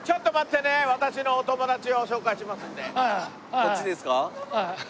こっちですか？